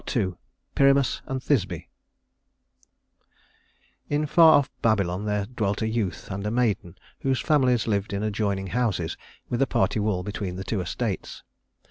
II. Pyramus and Thisbe In far off Babylon there dwelt a youth and maiden whose families lived in adjoining houses with a party wall between the two estates.